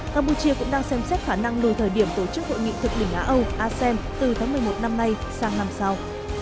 campuchia cũng đang xem xét khả năng lùi thời điểm tổ chức hội nghị thượng đỉnh á âu asem từ tháng một mươi một năm nay sang năm sau